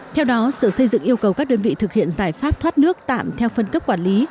theo đó sở xây dựng yêu cầu các đơn vị thực hiện giải pháp thoát nước tạm theo phân cấp quản lý